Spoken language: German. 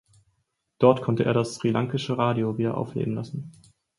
Dort konnte er das srilankische Radio wiederaufleben lassen.